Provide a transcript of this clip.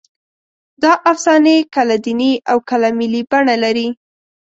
دا افسانې کله دیني او کله ملي بڼه لري.